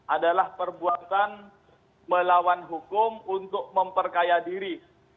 adalah perbuatan melawan hukum untuk memperkaya diri